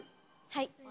はい。